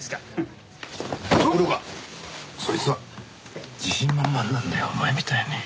ところがそいつは自信満々なんだよお前みたいに。